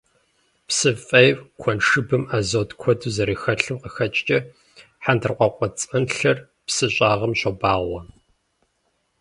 Псы фӀейм, куэншыбым азот куэду зэрыхэлъым къыхэкӀкӀэ, хьэндыркъуакъуэцӀэнлъыр псы щӀагъым щобагъуэ.